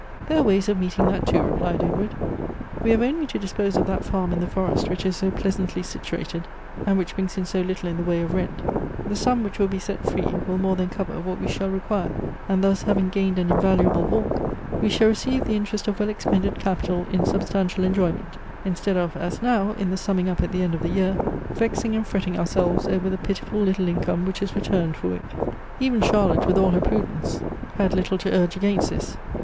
" Tliere are ways of meeting that too," replied Edward ;" we have only to dispose of that farm in the forest which is so pleasantly situated, and which brings in so little in the way of rent : the sum which will be set fi'ce will more than cover what we shall require, and thus, having gained an invaluable walk, we shall receive the interest of well expended capital in substantial enjoy ment — instead of, as now, in the summing up at the end of the year, vexing and fretting ourselves over the ■pitiful little income which is returned for it." Even Charlotte, with all her prudence, had little to Elective Affinities. 67 urge against this.